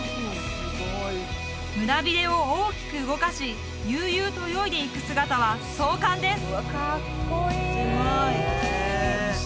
胸びれを大きく動かし悠々と泳いでいく姿は壮観です